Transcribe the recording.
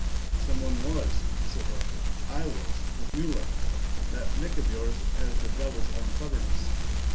"Some one was," said Horker. "I was, with Mueller. That Nick of yours has the Devil's own cleverness!"